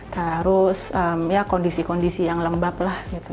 terus ya kondisi kondisi yang lembab lah gitu